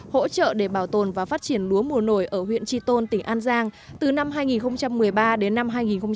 hỗ trợ để bảo tồn và phát triển lúa mùa nổi ở huyện tri tôn tỉnh an giang từ năm hai nghìn một mươi ba đến năm hai nghìn một mươi tám